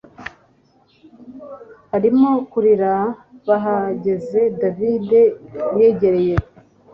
arimo kurira bahageze david yegere